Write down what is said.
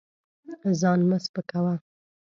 ځان مه سپکوه.